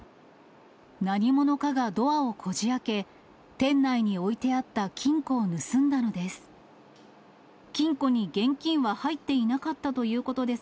何者かがドアをこじ開け、店内に置いてあった金庫を盗んだのです。